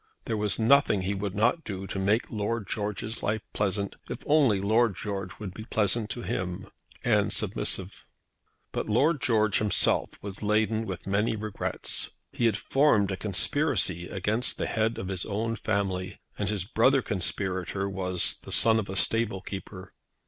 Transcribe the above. There was nothing he would not do to make Lord George's life pleasant, if only Lord George would be pleasant to him, and submissive. But Lord George himself was laden with many regrets. He had formed a conspiracy against the head of his own family, and his brother conspirator was the son of a stable keeper.